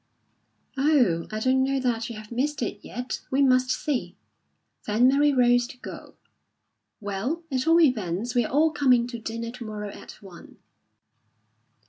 "Oh, I don't know that you have missed it yet. We must see." Then Mary rose to go. "Well, at all events, we're all coming to dinner to morrow at one."